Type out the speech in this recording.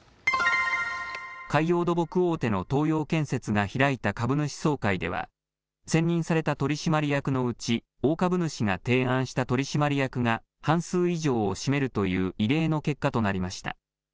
海洋土木大手の東洋建設が開いた株主総会では選任された取締役のうち大株主が提案した取締役が半数以上を占めるという異例の結果となりました。